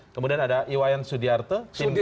kemudian ada iwayan sudirta